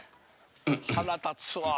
「腹立つわ」